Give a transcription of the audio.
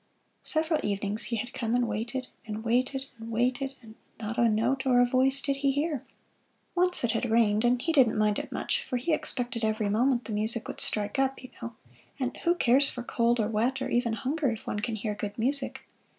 Several evenings he had come and waited, and waited, and waited and not a note or a voice did he hear. Once it had rained and he didn't mind it much, for he expected every moment the music would strike up, you know and who cares for cold, or wet, or even hunger, if one can hear good music!